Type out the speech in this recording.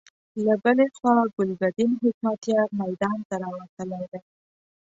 له بلې خوا ګلبدين حکمتیار میدان ته راوتلی دی.